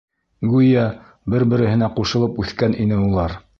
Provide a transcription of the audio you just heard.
Гүйә, бер-береһенә ҡушылып үҫкән ине улар.